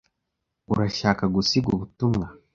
Urashaka gusiga ubutumwa?